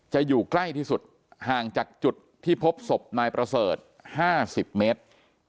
อยู่ใกล้ที่สุดห่างจากจุดที่พบศพนายประเสริฐ๕๐เมตร